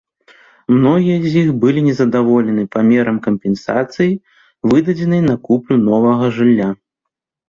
Многія з іх былі незадаволены памерам кампенсацыі, выдадзенай на куплю новага жылля.